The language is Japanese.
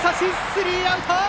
スリーアウト！